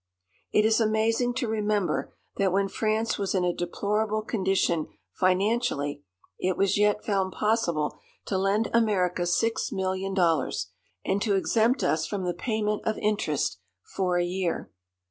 It is amazing to remember that when France was in a deplorable condition financially it was yet found possible to lend America six million dollars, and to exempt us from the payment of interest for a year.